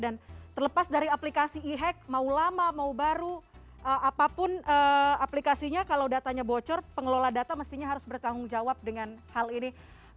dan terlepas dari aplikasi e hack mau lama mau baru apapun aplikasinya kalau datanya bocor pengelola data mestinya harus bertanggung jawab dengan hal ini